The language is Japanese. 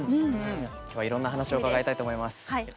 今日はいろんな話を伺いたいと思います。